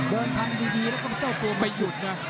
เดินทางดีแล้วก็เจ้าตัวไปยุดนะ